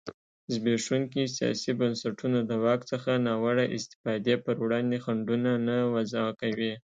زبېښونکي سیاسي بنسټونه د واک څخه ناوړه استفادې پر وړاندې خنډونه نه وضعه کوي.